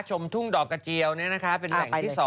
ชมทุ่งดอกกระเจียวเนี่ยนะฮะเป็นแหล่งที่๒